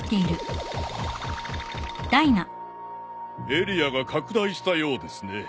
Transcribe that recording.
エリアが拡大したようですね。